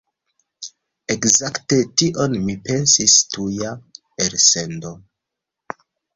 Ekzakte tion mi pensis... tuja elsendo